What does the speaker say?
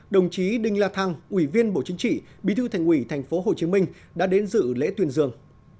đồng chí đinh la thăng ủy viên bộ chính trị bí thư thành ủy tp hcm đã đến dự lễ tuyên dương